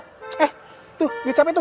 eh tuh liat siapa itu